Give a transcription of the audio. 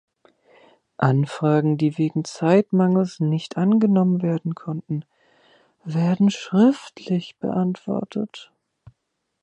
Anfragen, die wegen Zeitmangels nicht angenommen werden konnten, werden schriftlich beantwortet.